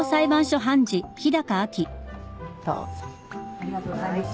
ありがとうございます。